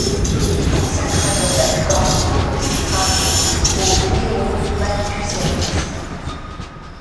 Il consacre alors la plus grande part de ses travaux au néomalthusianisme.